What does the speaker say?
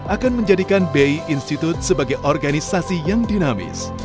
akan menjadikan bi institute sebagai organisasi yang dinamis